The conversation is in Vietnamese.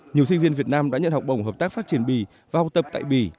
nhiều sinh viên việt nam đã nhận học bổng hợp tác phát triển bỉ và học tập tại bỉ